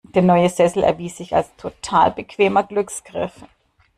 Der neue Sessel erwies sich als total bequemer Glücksgriff.